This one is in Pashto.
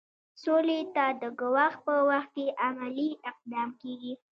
سولې ته د ګواښ په وخت کې عملي اقدام کیږي.